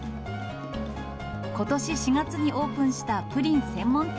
ことし４月にオープンしたプリン専門店。